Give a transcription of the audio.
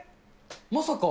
まさか。